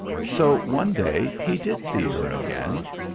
So one day he did see her again.